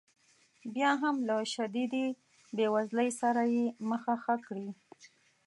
بیا هم له شدیدې بې وزلۍ سره یې مخه ښه کړې.